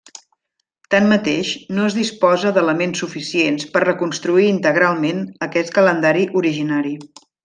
Tanmateix, no es disposa d'elements suficients per reconstruir integralment aquest calendari originari.